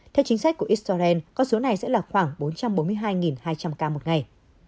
theo chính sách của israel con số này sẽ là khoảng bốn trăm bốn mươi hai hai trăm linh ca một ngày